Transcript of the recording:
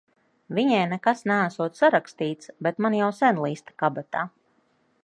Viņai nekas neesot sarakstīts, bet man jau sen liste kabatā.